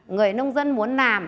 người nông dân muốn làm